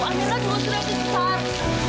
amira juga sudah dikejar